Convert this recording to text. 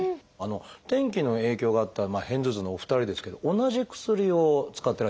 天気の影響があった片頭痛のお二人ですけど同じ薬を使ってらっしゃいましたね。